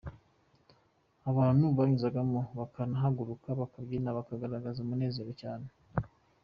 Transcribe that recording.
Abantu banyuzagamo bakanahaguruka bakabyina bakagaragaza umunezero cyane.